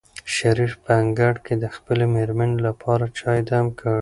شریف په انګړ کې د خپلې مېرمنې لپاره چای دم کړ.